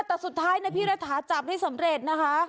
แต่สุดท้ายนะพี่รัฐาจับได้สำเร็จนะคะ